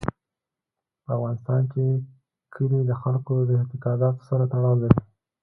په افغانستان کې کلي د خلکو د اعتقاداتو سره تړاو لري.